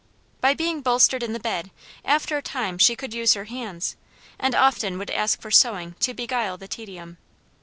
By being bolstered in the bed, after a time she could use her hands, and often would ask for sewing to beguile the tedium.